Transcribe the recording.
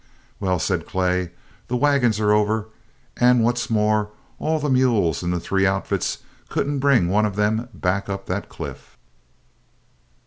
"Well," said Clay, "the wagons are over, and what's more, all the mules in the three outfits couldn't bring one of them back up that cliff."